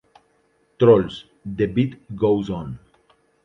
Trolls: The Beat Goes On!